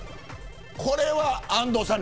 これは安藤さん